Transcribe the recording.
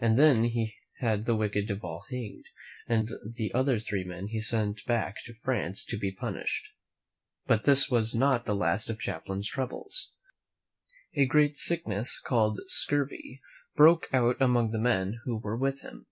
He then had the wicked Duval hanged, and the other three men he sent back to France to be punished. But this was not the last of Champlain's troubles. A great sickness called scurvy broke out among the men who were with him.